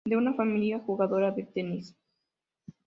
De una familia jugadora de tenis.